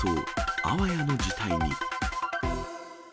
あわやの事態に。